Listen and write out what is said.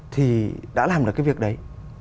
thì đã làm được cái việc đấy